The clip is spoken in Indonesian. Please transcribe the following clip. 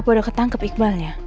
apa udah ketangkep iqbalnya